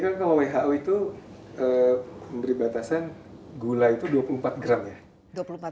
jadi kalau who itu memberi batasan gula itu dua puluh empat gram ya